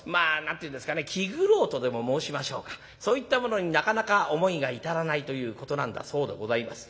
気苦労とでも申しましょうかそういったものになかなか思いが至らないということなんだそうでございます。